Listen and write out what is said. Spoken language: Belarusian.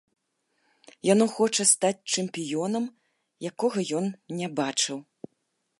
Яно хоча стаць чэмпіёнам, якога ён не бачыў!